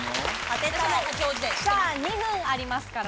２分ありますから。